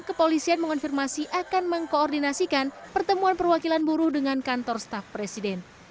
kepolisian mengonfirmasi akan mengkoordinasikan pertemuan perwakilan buruh dengan kantor staf presiden